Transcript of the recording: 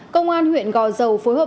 công an huyện gò dầu phối hợp